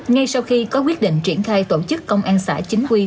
ngay sau khi có quyết định triển khai tổ chức công an xã chính quy